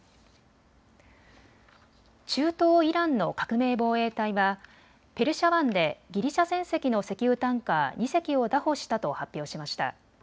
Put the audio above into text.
中東イランの革命防衛隊はペルシャ湾でギリシャ船籍の石油タンカー２隻を拿捕したと発表しました。